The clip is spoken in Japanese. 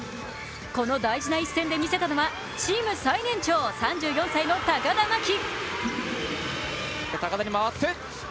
この大事な一戦で見せたのはチーム最年長、３４歳の高田真希。